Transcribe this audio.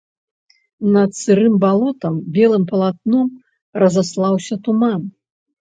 Над сырым балотам белым палатном разаслаўся туман.